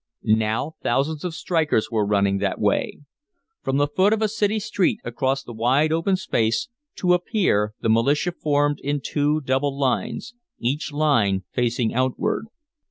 Now thousands of strikers were running that way. From the foot of a city street across the wide open space to a pier the militia formed in two double lines, each line facing outward.